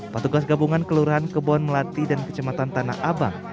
petugas gabungan kelurahan kebun melati dan kecematan tanah abang